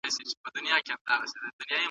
که مرګ وي نو درد نه پاتې کیږي.